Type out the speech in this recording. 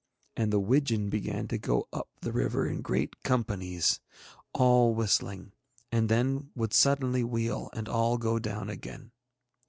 And the widgeon began to go up the river in great companies, all whistling, and then would suddenly wheel and all go down again.